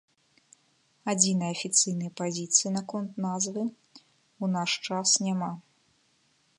Адзінай афіцыйнай пазіцыі наконт назвы ў наш час няма.